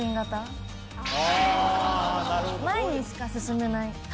前にしか進めない。